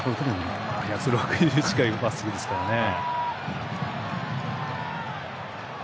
そりゃ１６０近いまっすぐですからね。